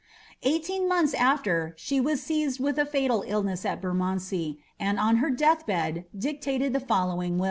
Eighteen months afler, she was seized with a &tal illness at Bermondsey, and, on her death bed, dictated the following wiU.